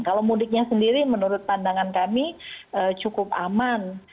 kalau mudiknya sendiri menurut pandangan kami cukup aman